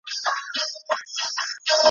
سل تشویشه درنه ایسته کي کامله